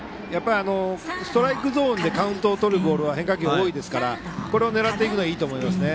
ストライクゾーンでカウントをとるボールは変化球、多いですからこれを狙っていくのがいいと思いますね。